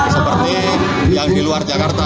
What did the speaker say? seperti yang di luar jakarta